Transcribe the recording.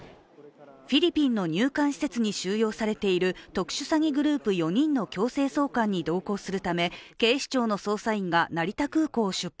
フィリピンの入管施設に収容されている特殊詐欺グループ４人の強制送還に同行するため警視庁の捜査員が成田空港を出発。